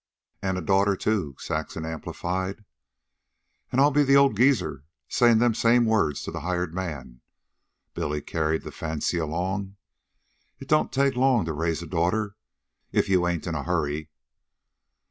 "And a daughter, too," Saxon amplified. "An' I'll be the old geezer sayin' them same words to the hired man," Billy carried the fancy along. "It don't take long to raise a daughter if you ain't in a hurry."